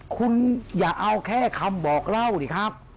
คุณอย่าเอาแค่คำบอกเล่าสิครับ